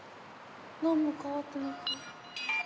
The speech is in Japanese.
何も変わってない。